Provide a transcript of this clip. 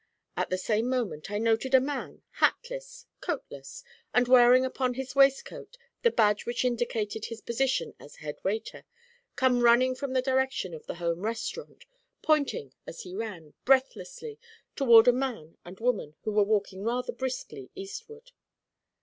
At the same moment I noted a man hatless, coatless, and wearing upon his waistcoat the badge which indicated his position as 'head waiter' come running from the direction of the Home Restaurant, pointing as he ran, breathlessly, toward a man and woman who were walking rather briskly eastward.